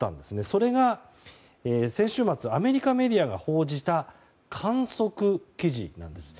それが先週末アメリカメディアが報じた観測記事なんです。